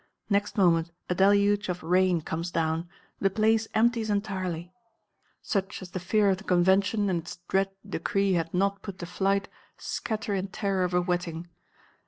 Next moment a deluge of rain comes down; the Place empties entirely; such as the fear of the Convention and its dread decree had not put to flight scatter in terror of a wetting.